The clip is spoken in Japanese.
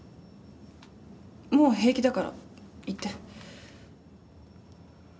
もう平気だから行って。